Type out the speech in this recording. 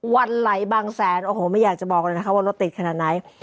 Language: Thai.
วันไหลบางแสนโอ้โหไม่อยากจะบอกเลยนะคะว่ารถติดขนาดไหน